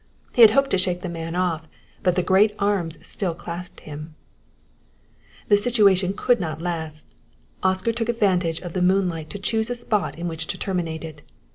He had hoped to shake the man off, but the great arms still clasped him. The situation could not last. Oscar took advantage of the moonlight to choose a spot in which to terminate it.